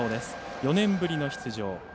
４年ぶりの出場。